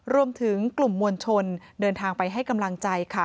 รวมถึงกลุ่มมวลชนเดินทางไปให้กำลังใจค่ะ